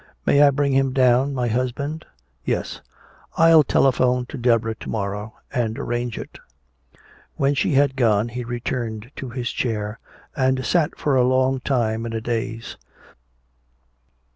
May I bring him down, my husband?" "Yes " "I'll telephone to Deborah to morrow and arrange it." When she had gone he returned to his chair and sat for a long time in a daze.